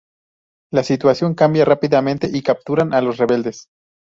La situación cambia rápidamente y capturan a los rebeldes.